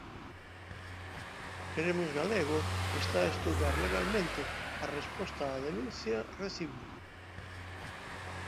Queremos Galego está a estudar legalmente a resposta á denuncia recibida.